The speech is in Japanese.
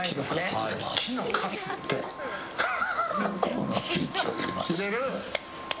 このスイッチを入れます。